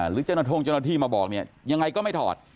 หรือเจ้าหน้าท่งเจ้าหน้าที่มาบอกยังไงก็ไม่ถอด